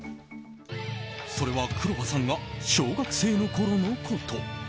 それは、黒羽さんが小学生のころのこと。